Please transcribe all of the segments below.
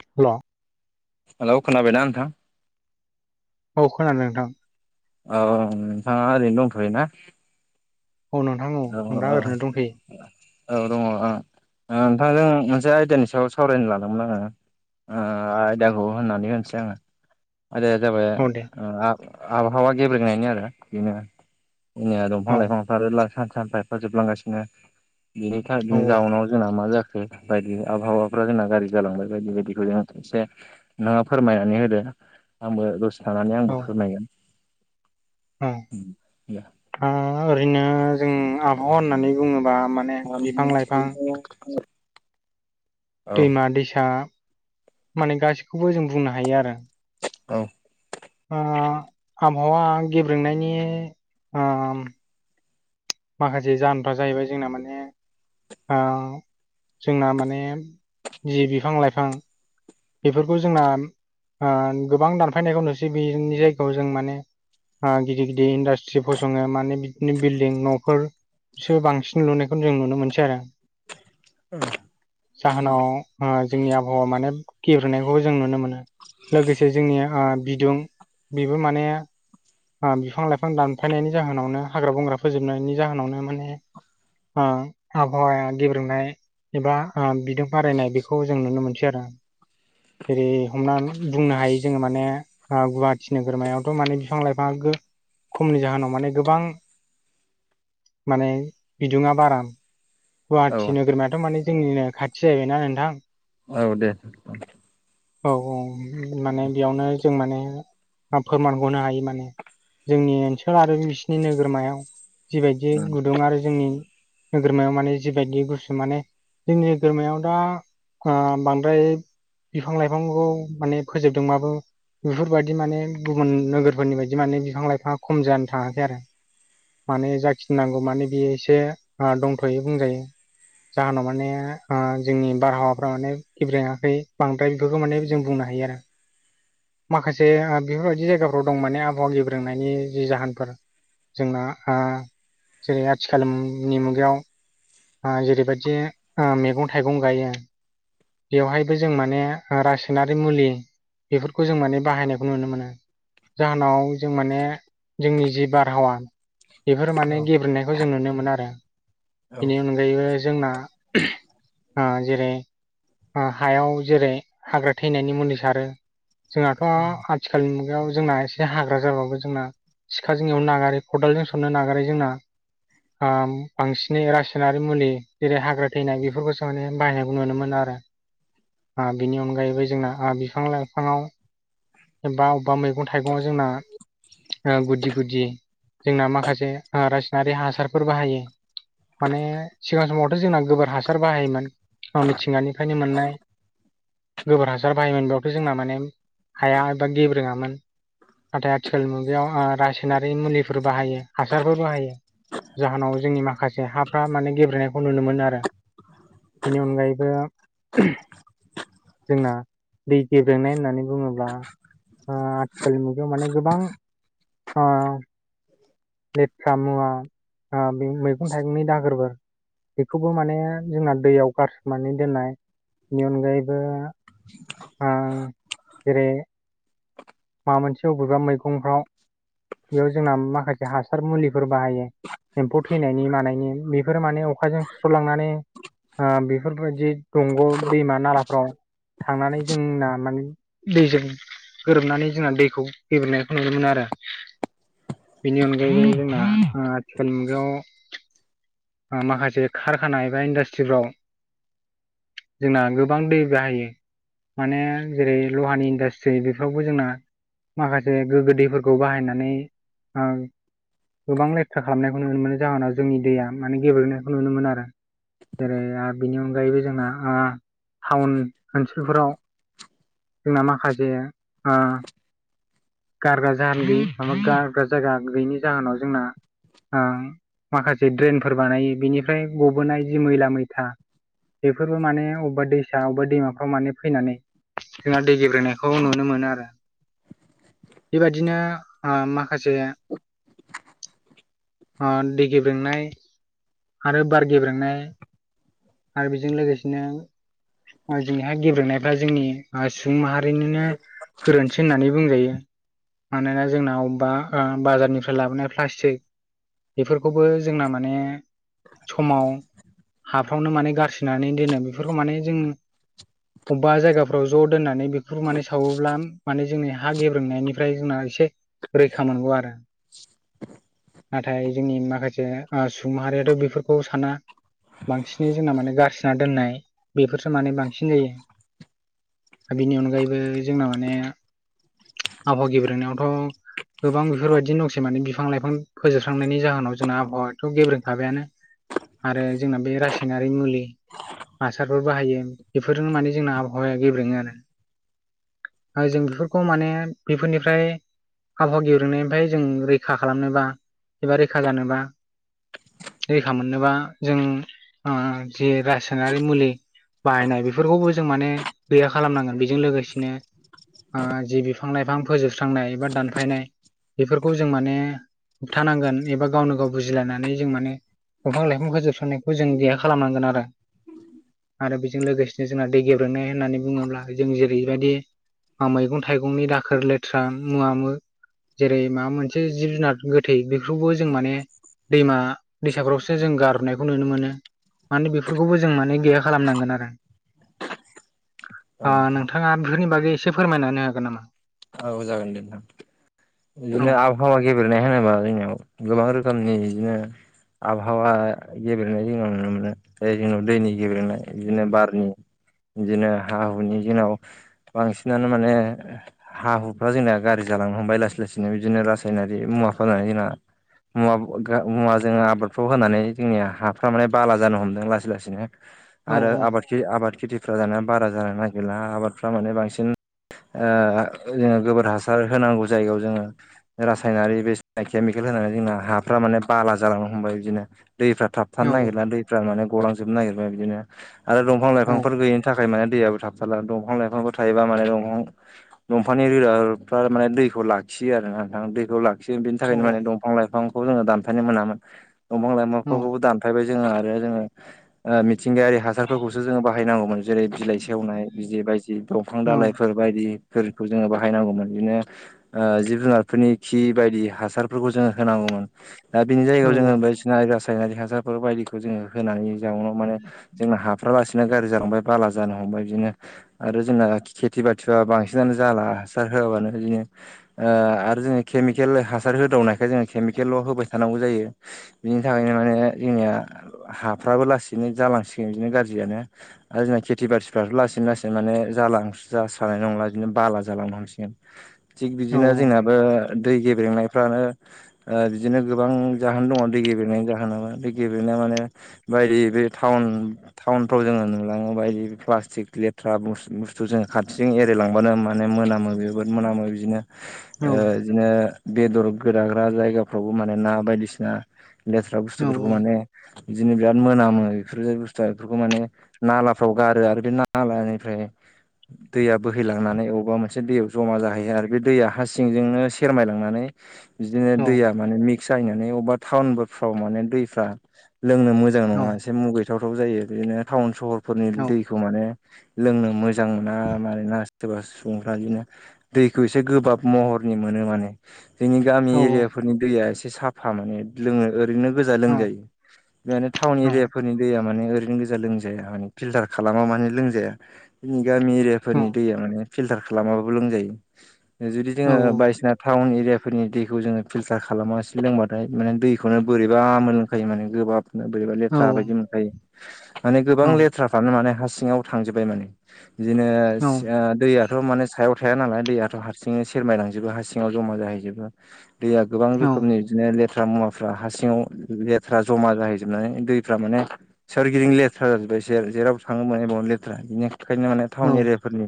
हेल'। Hello, खोनाबाइ ना नोंथां? औ खोनादों नोंथां। औ नोंथाङा ओरैनो दंथ'योना? औ नोंथां औ आं दा ओरैनो दंथ'यो दङ ओ। ओ नोंथांजों मोनसे आयदानि सायाव सावरायनो लादोंमोन आङो। ओ आयदाखौ होननानै होनसै आङो। आयदाया जाबाय औ दे आबहावा गेब्रेगायनि आरो बेनो। जनिया दंफां औ लाइफां सान सानफा एफा जोबलांगासिनो औ बिनि जाउनाव जोंना मा जाखो बायदि आबहावाफ्रा जोंना गाज्रि जालांबाय बायदि बायदिखौ जों एसे नोंथा फोरमायनानै होदो। आंबो दसे थानानै औ आंबो फोरमायगोन दा दे। ओरैनो जों आबहावा होननानै बुङोबा माने बिफां लाइफां फोरमायगोन औ दैमा दैसा माने गासैखौबो जों बुंनो हायो आरो। औ। ओ आबहावा गेब्रोंनायनि ओ माखासे जाहोनफ्रा जाहैबाय जोंना माने ओ जोंना माने जि बिफां लाइफां बेफोरखौ जोंना ओ गोबां दानफायनायखौ नुसै बेनि जायगायाव जों माने आं गिदिर गिदिर इन्डासट्रि फसङो माने बिदिनो बिल्डिं न'फोर बिसोरो बांसिन लुनायखौ जों नुनो मोनसै आरो। [unintelligible] जाहोनाव ओ जोंनि आबहावा माने गेब्रेनायखौ जों नुनो मोनो लोगोसे जोंनि ओ बिदुं बेबो माने ओ बिफां लाइफां दानफायनायनि जाहोनावनो हाग्रा बंग्रा फोजोबनायनि जाहोनावनो माने ओ आबहावाया गेब्रेंनाय एबा ओ बिदों बारायनाय बेखौ जों नुनो मोनसै आरो। जेरै हमनानै बुंनो हायो जोङो माने ओ गुवाहाटि नोगोरमायावथ' माने बिफां लाइफाङा गो खमनि जाहोनाव माने गोबां माने बिदुङा बारा औ गुवाहाटि नोगोरमाथ' माने जोंनिनो खाथि जाहैबायना नोंथां। औ दे। औ औ माने बेयावनो जों माने फोरमान हरनो हायो माने। जोंनि ओनसोल आरो बिसिनि नोगोरमायाव जिबायदि औ गुदुं आरो जोंनि नोगोरमायाव माने जिबायदि गुसु माने जोंनि नोगोरमायाव दा बांद्राय बिफां लाइफांखौ माने फोजोबदोंबाबो बेफोरबायदि माने गुबुन नोगोरफोरनि बायदि माने बिफां लाइफाङा खम जानो थाङाखै आरो। माने जाखिनांगौ माने बियो एसे दंथ'यो बुंजायो। जाहोनाव माने ओ जोंनि बारहावाफ्रा माने गेब्रेङाखै। बांद्राय बेफोरखौ माने जों बुंनो हायो आरो। माखासे बेफोरबायदि जायगाफ्राव दं माने आबहावा गेब्रोंनायनि जि जाहोनफोर जोंना ओ जेरै आथिखालनि मुगायाव जेरैबायदि मैगं ओ थाइगं गायो बेवहायबो जों माने रासायनारि मुलि बेफोरखौ जों माने बाहायनायखौ नुनो मोनो। जाहोनाव जों माने जोंनि जि बारहावा बेफोर माने औ गेब्रेनायखौ जों नुनो मोनो आरो बेनि अनगायैबो जोंना जेरै हायाव जेरै हाग्रा थैनायनि मुलि सारो। जोंनाथ' आथिखालनि मुगायाव जोंना एसे हाग्रा जाबाबो जोंना सिखाजों एवनो नागारै खदालजों सरनो नागारै जोंना ओ बांसिन नि रासायनारि मुलि जेरै हाग्रा थैनाय बेफोरखौसो माने बाहायनायखौ नुनो मोनो आरो। बिनि अनगायैबो जोंना बिफां लाइफाङाव एबा अबेबा मैगं थाइगं आव जोंना गुदि गुदि जोंना माखासे रासनारि हासारफोर बाहायो। माने सिगां समावथ' जोंना गोबोर हासार बाहायोमोन। मिथिंगानिफ्रायनो मोननाय गोबोर हासार बायोमोन बेयावथ' जोंना माने हाया एबा गेब्रेङामोन नाथाय आथिखाल मुगायाव रासायनारि मुलिफोर बाहायो हासारफोर बाहायो। जाहोनाव जोंनि माखासे हाफ्रा माने गेब्रेनायखौ नुनो मोनो आरो। बेनि अनगायैबो जोंना दै गेब्रेनाय होननानै बुङोब्ला आथिखाल मुगायाव माने गोबां ओ लेथ्रा मुवा मैगं थाइगंनि दागोरफोर बेखौबो माने जोंना दैयाव गारसोमनानै दोननाय बेनि अनगायैबो ओ [unintelligible] जेरै माबा मोनसे अबेबा मैगंफ्राव बेयाव जोंना माखासे हासार मुलिफोर बाहायो। एम्फौ थैनायनि मानायनि बेफोरो माने अखाजों सुस्र'लांनानै बेफोरबायदि दंग' दैमा नालाफ्राव थांनानै जों ना [unintelligible] दैजों गोरोबनानै जोंना दैखौ गेब्रेनायखौ नुनो मोनो आरो। [unintelligible] बेनि अनगायै जोंना आथिखाल मुगायाव माखासे कारखानाया एबा इन्डास्ट्रिफ्राव जोंना गोबां दै बाहायो। माने जेरै लहानि इन्डास्ट्रि बेफोरावबो जोंना माखासे गोगो दैफोरखौ बाहायनानै ओं गोबां लेथ्रा खालामनायखौ नुनो मोनो जाहोनाव जोंनि दैया माने गेब्रेनायखौ नुनो मोनो आरो। जेरै आ बिनि अन अनगायैबो जोंना टाउन ओनसोलफोराव जोंना माखासे ओ गारग्रा जाहोन गैय मा गारग्रा जायगा गैयिनि जाहोनाव जोंना माखासे ड्रेनफोर बानायो बिनिफ्राय गबोनाय मैला मैथा बेफोरबो माने अबेबा दैसा अबेबा दैमाफ्राव माने फैनानै जोंहा दै गेब्रेनायखौ नुनो मोनो आरो। बेबायदिनो माखासे अ दै गेब्रेंनाय आरो बार गेब्रेंनाय आरो बेजों लोगोसेनो जोंनिहाय गेब्रेंनायफ्रा जोंनि सुबुं माहा ओरैनो गोरोन्थि होननानै बुंजायो। मानोना जोंना अबेबा बाजारनिफ्राय लाबोनाय प्लास्टिक बेफोरखौबो जोंना माने समाव हा फ्रावनो माने गारस्रिनानै दोनो बेफोरखौ माने जों अबेबा जायगाफ्राव ज' दोननानै बेफोरखौ माने सावोब्ला माने जोंनि हा गेब्रेंनायनिफ्राय जोंना से रैखा मोनगौ आरो नाथाय जोंनि माखासे ओ सुबुंमाहारियाथ' बेफोरखौ साना बांसिनै जोंना माने गारसोना दोननाय बेफोरसो माने बांसिन जायो बिनि अनगायैबो जोंना माने आबहावा गेब्रेंनायावथ' गोबां बेफोरबायदि दंसै माने बिफां लाइफां फोजोबस्रांनायनि जाहोनाव जोंना आबहावायाथ' गेब्रेंखाबायानो आरो जोंना बे रासायनारि मुलि हासारफोर बाहायो बेफोरजों माने जोंना आबहावाया गेब्रेङो आरो जों बेफोरखौ माने बेफोरनिफ्राय आबहावा गेब्रेंनायनिफ्राय जों रैखा खालामनोबा एबा रैखा जानोबा रैखा मोननोबा जों ओ जे रासायनारि मुलि बाहायनाय बेफोरखौबो जों माने गैया खालामनांगोन बे बेजों लोगोसेनो ओ जि बिफां लाइफां फोजोबस्रांनाय एबा दानफायनाय बेफोरखौ जों माने होबथानांगोन एबा गावनो गाव बुजिलायनानै जों माने दंफां लाइफां फोजोबस्रांनायखौ जों गैया खालामनांगोन आरो आरो बेजों लोगोसे जोंना दै गेब्रेंनाय होननानै बुङोब्ला जों जेरैबायदि मैगं थाइगं मैगंनि दाखोर लेथ्रा मुवा म जेरै माबा मोनसे जिब जुनार गोथै बे बेफोरखौबो जों माने दैमा दैसाफ्रावसो जों गारनायखौ नुनो मोनो माने बेफोरखौबो जों माने गैया खालामनांगोन आरो [inaudible] औ ओ नोंथाङा बेफोरनि बागै एसे फोरमायनानै हागोन नामा औ जागोन दे नोंथां औ बिदिनो आबहावा गेब्रेंनाय होनोबा जोंनियाव गोबां रोखोम बिदिनो आबहावा गेब्रेंनाय जोङो नुनो मोनो जों दैनि गेब्रेंनाय बिदिनो बारनि बिदिनो हा हुनि दिनाव बांसिनानो माने हा हुफ्रा जोंना गाज्रि जालांनो हमबाय लासै लासैनो बिदिनो रासायनारि मुवा फैनानै जोंना मुवा मुवा जोंङोआबादफ्राव होनानै जोंनिया हाफ्रा माने बाला जानो हमदों लासै लासैनो औ आरो आबाद खेथि आबाद खेथि फ्रा जानाया बारा जानो नागिरला आबादफ्रा माने बांसिन ओ जोङो गोबोर हासार होनांगौ जायो जोङो रासायनारि बे केमिकेल होनानै जोंना हाफ्रा माने बाला जालांनो हमबाय बिदिनो दैफ्रा औ थाबथानो नागिरला दैफ्रा माने गलांजोबनो नागिरबाय बिदिनो आरो दंफां औ लाइफांफोर गैयिनि थाखाय माने दैयाबो थाबथाला दंफां लाइफांफोर थायोबा माने दंफां दंफांनि रोदाफ्रा माने दैखौ लाखियो आरो ना नोंथां दैखौ लाखियो बेनि औ थाखायनो माने दंफां लाइफां जोङो दानफायनो मोनामोन दंफां औ लाइफोरखौबो दानफायबाय जोङो आरो जोङो मिथिंगायारि हासारफोरखौसो जोङो बाहायनांगौमोन जेरै बिलाइ सेवनाय बिदि बायदि दंफां दालाइफोर बायदि फोरखौ जोङो बाहायनांगौमोन बिदिनो ओ जिब जुनारफोरनि खि बायदि हासारफोरखौ जोङो होनांगौमोन दा बिनि औ जायगायाव जोङो बायदिसिना रासायनारि हासारफोर बायदिखौ जोङो होनानै जाउनाव माने जोंना हाफ्रा लासै बिदिनो गाज्रि जालांबाय बाला जानो हमबाय बिदिनो आरो जोंना खिथि बाथिआ बांसिन जाला हासार होआबानो बिदिनो आरो जोङो केमिकेल हासार होदावनायखाय जोङो एखल' होबाय थानांगौ जायो बिनि थाखायनो माने जोंनिया हाफ्राबो लासैनो जालांसि बिदिनो गाज्रियानो आरो जोंना खेथि बाथिफ्राथ' लासै लासै माने जालां सानाय नंला बिदि बाला जालांनो हमसिगोन थिक औ बिदिनो जोंनाबो दै गेब्रेंनाय फ्रानो ओ बिदिनो गोबां जाहोन दङ दै गेब्रेंनायनि जाहोनाबो दै गेब्रेंनाया माने बायदि बे टाउन टाउनफ्राव जोङो नुलाङो बायदि प्लास्टिक लेथ्रा बुस्थु जों खाथिजों एरायलांबानो माने मोनामो जोबोद मोनामो बिदिनो ओ जोङो बेदर गोदाग्रा जायगाफ्रावबो माने ना बायदिसिना लेथ्रा बुस्थुफोरखौ माने बिदिनो बिराद मोनामो बेफोर बुस्थुआ बेफोरखौ माने नालाफ्राव गारो आरो बे नालानिफ्राय दैयाबो बोहैलांनानै बबावबा मोनसे दैयाव ज'मा जाहैयो आरो बे दैया हा सिंजोंनो सेरमाय लांनानै बिदिनो औ दैया माने मिक्स जाहैनानै अबेबा टाउनफ्राव माने दैफ्रा लोंनो मोजां नङा एसे मुगैथावथाव जायो बिदिनो टाउन सहरफोरनि दैखौ माने लोंनो मोजां मोना मानोना सोरबा सुबुंफ्रा बिदिनो दैखौ एसे गोबाब महरनि मोनो माने जोंनि गामि औ एरिया फोरनि दैया एसे साफा माने लोङो ओरैनो गोजा लोंजायो टाउन एरियाफोरनि दै माने ओैरै गोजा लोंजाया मान फिल्टार खालामा मान लोंजाया जोंनि गामि एरिया फोरनि फिलथार खालामाबाबो लोंजायो जुदि जों बायसिना टाउन एरियाफोरनि दैखौ जोङो फिल्टार खालामाासै लोंबाथाय माने दैखौनो बोरैबा मोन लोंखायो माने गोबाब बोरैबा औ लेथ्रा बायदि मोनखायो माने गोबां औ लेथ्राफ्रानो मान सिङाव थांजोबबाय माने बिदिनो औ दैयाथ' माने सायाव हखाया नालाय दैयाथ' हारसिङनो सेरमाय लांजोबो हारसिङाव जमा जाहैजोबो दैया गोबां औ रोखोमनि बिदिनो े्रा मुवाफ्रा हारसिङाव लेथ्रा जमा जाहैजोबनानै दैफ्रा माने सोरगिदिं लेथ्रा जाजोब बसेर जेराव थाङोमोन एबावनो लेथ्रा बिदिनो ओंखायनो माने टाउन एरियाफोरनि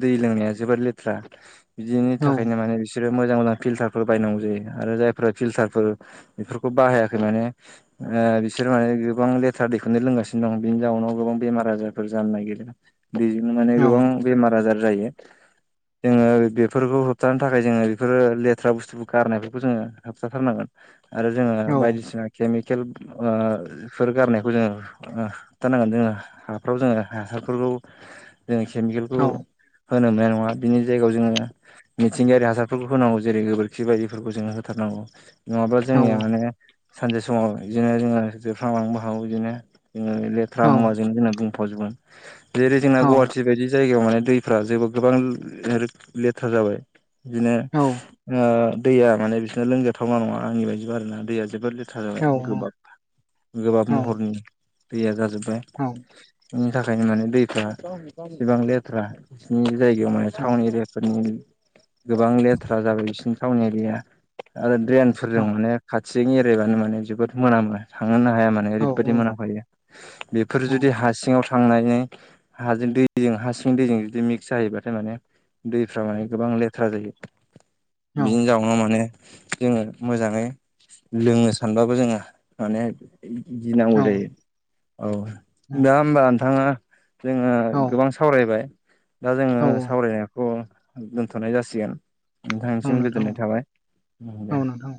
दै लोंनाया जोबोद लेथ्रा बिदिनि थाखायनो माने बिसोरो मोजां मोजां फिल्टारफोर बायनांगौ जायो आरो जायफोरा फिल्टारफोर बेफोरखौ बाहायाखै माने बिसोर माने गोबां लेथ्रा दैखनो लोंगासिनो दं बेनि जाउनाव गोबां बेमार आजारफोर जानो नागिरदों बेजोंनो माने गोबां बेमार आजार जायो जोङो बेफोरखौ होबथानो थाखाय जोङो बेफोरो लेथ्रा बुस्थु गारनायफोरखौ जोङो होबथाथारनांगोन आरो जोङो बायदिसिना केमिक खेल फोर गारनायखौ जोङोथारनांगोन जोङो हाफ्राव जोङो हासारफोरखौ जों केमिकेलखौ होनो मोननाय नङा बिनि जायगायाव जोङो मिथिंगायारि हासारफोरखौ होनांगौ जेरै गोबोरखि बायदिफोरखौ जोङो होथारनांगौ जाब जोंनिया माने सानसे समाव बिदिनो जोङो जोबख्लांलांनो ब हागौ बिदिनो ज लेथ्रा मुवाजों जोंना बुंफावाजोबोन जेरै जोंना ग बेबायदि जायगायाव माने दैफ्रा जेबो गोबां लेथार जाबाय बिदिनो दैया माने बिसोरनो लोंजाथावना नङा आंनि बायदिबो आरो ना दैया जोबोद ल - थार जाबाय गोबाब गोबाब महरनि दैया जाजोबबाय औ बेनि थाखायनो माने दैफ्रा एसिबां लेथ्रा बिसिोरनि जायगायाव माने टाउन एरियाफोरनि गोबां लेथ्रा जाबाय बिसिनि थटाउनि एरिया आरो ड्रेनफोरजों माने खाथि बेजों एरायबानो माने जोबोद मोनाम मोनो थांहोनो हाया माने ओरैबायदि मोनाखायो बेफोर जुदि हारसिङाव थ थांनानै हाजों दै दैजों हारसिं दैजों जुदि मिक्स जायोैबाथाय माने दैफ्रा माने गोबां लेथ्रा जायो बिदिनो जाावो माने जोङो मोजाङै लोंनो सानबाबो जोङो मान गिनांगौ जायो औ दा होमबा नोंथाङा जोङो गोबां सावरायबाय दा जोङो सावरायनायखौ दोनथ'नाय जासिगोन नोंथांनिसिम गोजोननाय नोंथां थाबाय दे औ